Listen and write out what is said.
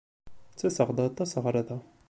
Ttaseɣ-d aṭas ɣer da.